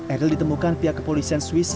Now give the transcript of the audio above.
eril ditemukan pihak kepolisian swiss